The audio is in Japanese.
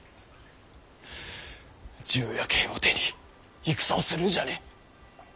銃や剣を手に戦をするんじゃねぇ。